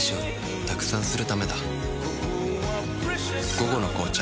「午後の紅茶」